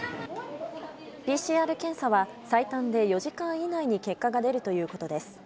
ＰＣＲ検査は最短で４時間以内に結果が出るということです。